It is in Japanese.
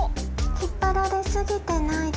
引っ張られ過ぎてないですか？